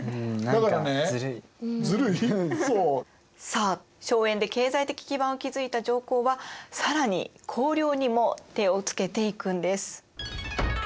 さあ荘園で経済的基盤を築いた上皇は更に公領にも手をつけていくんです。